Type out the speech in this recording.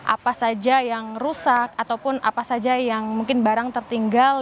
apa saja yang rusak ataupun apa saja yang mungkin barang tertinggal